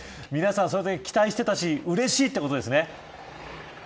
皆さんそれだけ期待してたしうれしいということなんですね。